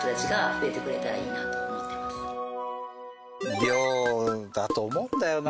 漁だと思うんだよな。